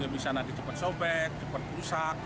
misalnya cepat sobek cepat rusak